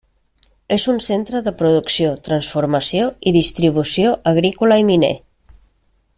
És un centre de producció, transformació i distribució agrícola i miner.